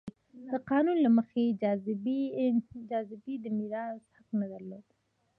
د قانون له مخې جذامي د میراث حق نه درلود.